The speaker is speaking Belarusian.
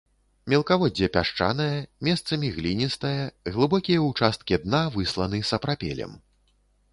Мелкаводдзе пясчанае, месцамі гліністае, глыбокія ўчасткі дна высланы сапрапелем.